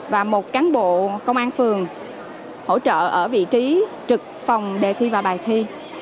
và một cán bộ công an phường hỗ trợ ở vị trí cổng điểm thi